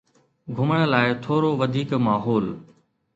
گھمڻ لاء ٿورو وڌيڪ ماحول